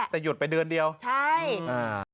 แต่หยุดไปเดือนเดียวใช่อ่า